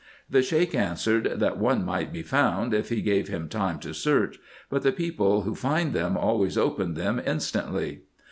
The Sheik answered, that one might be found, if he gave him time to search ; but the people who find them always open them in stantly.